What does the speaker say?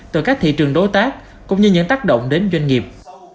từ các thị trường đối tác cũng như những tác động đến doanh nghiệp